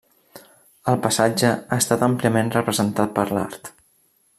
El passatge ha estat àmpliament representat per l'art.